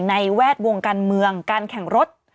แวดวงการเมืองการแข่งรถ